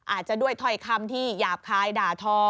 อาจจะด้วยถ้อยคำที่หยาบคายด่าทอ